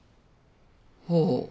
ほう。